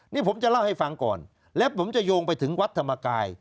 นี่ผมจะเล่าให้ฟังก่อนและผมจะโยงไปถึงวัดธรรมกาย